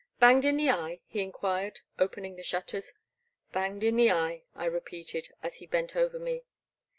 Banged in the eye?*' he enquired, opening the shutters. Banged in the eye," I repeated, as he bent over me.